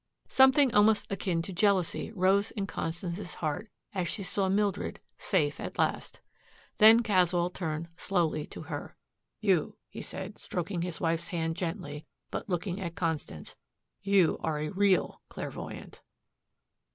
Something almost akin to jealousy rose in Constance's heart as she saw Mildred, safe at last. Then Caswell turned slowly to her. "You," he said, stroking his wife's hand gently but looking at Constance, "you are a REAL clairvoyant."